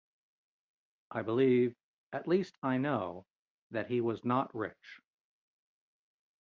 I believe — at least I know — that he was not rich.